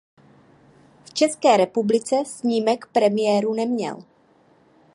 V České republice snímek premiéru neměl.